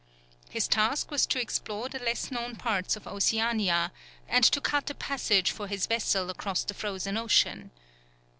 His task was to explore the less known parts of Oceania, and to cut a passage for his vessel across the Frozen Ocean.